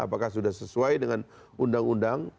apakah sudah sesuai dengan undang undang